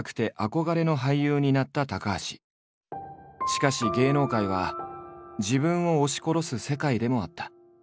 しかし芸能界は自分を押し殺す世界でもあった。